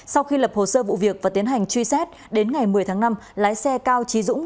sau khi lập hồ sơ vụ việc và tiến hành truy xét đến ngày một mươi tháng năm lái xe cao trí dũng